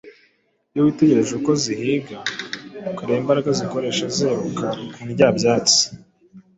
Iyo witegereje uko zihiga, ukareba imbaraga zikoresha ziruka ku ndyabyatsi,